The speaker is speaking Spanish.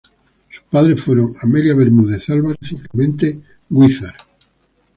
Sus padres fueron Amelia Bermúdez Álvarez y Clemente Guízar.